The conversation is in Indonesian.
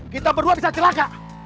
kita berdua bisa celaka